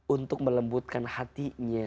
untuk melembutkan hatinya